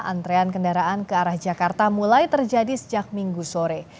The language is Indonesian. antrean kendaraan ke arah jakarta mulai terjadi sejak minggu sore